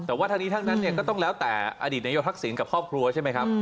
แต่ว่าทางนี้ทางนั้นก็ต้องแล้วแต่อดีตนโยธรรมศิลป์กับครอบครัวใช่ไหมครับ